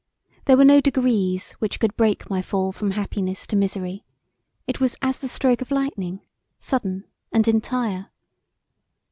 There were no degrees which could break my fall from happiness to misery; it was as the stroke of lightning sudden and entire.